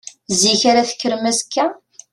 Zik ara tekkrem azekka?